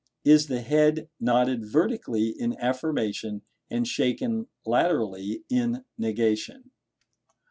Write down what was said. Is the head nodded vertically in affirmation, and shaken laterally in negation?